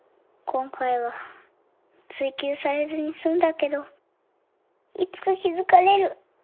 今回は追及されずに済んだけどいつか気付かれる。